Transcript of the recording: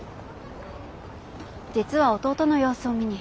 実は弟の様子を見に。